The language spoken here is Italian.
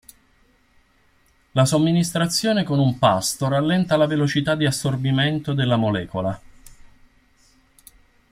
La somministrazione con un pasto rallenta la velocità di assorbimento della molecola.